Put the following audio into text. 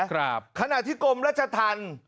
ตอนที่กรมรัชทัน